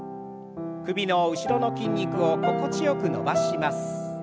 首の後ろの筋肉を心地よく伸ばします。